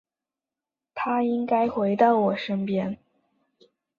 他应该回到我的身边